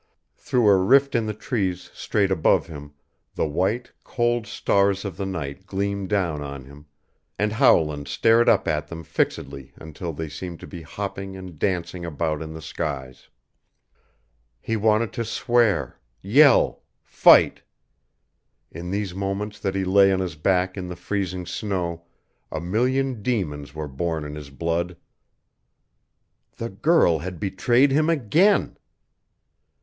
Through a rift in the trees straight above him the white, cold stars of the night gleamed down on him, and Howland stared up at them fixedly until they seemed to be hopping and dancing about in the skies. He wanted to swear yell fight. In these moments that he lay on his back in the freezing snow a million demons were born in his blood. The girl had betrayed him again!